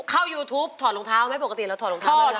เข้ายูทูปถอดรองเท้าไว้ปกติเราถอดรองเท้าได้ไหม